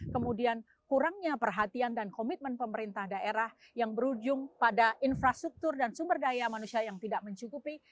kemudian kurangnya perhatian dan komitmen pemerintah daerah yang berujung pada infrastruktur dan sumber daya manusia yang tidak mencukupi